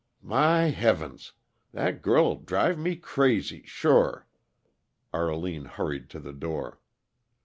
"My heavens! That girl'll drive me crazy, sure!" Arline hurried to the door.